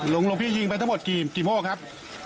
หลวงพี่ยิงไปทั้งหมดกี่โม่ครับ